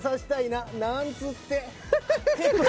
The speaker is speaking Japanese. なんつって！